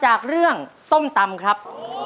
จากเรื่องส้มตำครับ